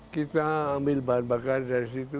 kita ambil bahan bakar dari situ